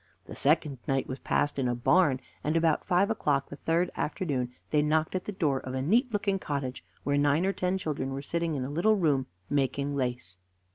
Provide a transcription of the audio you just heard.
The second night was passed in a barn, and about five o'clock the third afternoon they knocked at the door of a neat looking cottage, where nine or ten children were sitting in a little room making lace.